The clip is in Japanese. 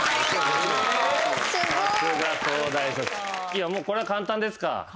いやもうこれは簡単ですか。